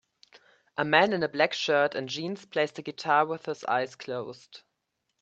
A man in a black shirt and jeans plays the guitar with his eyes closed.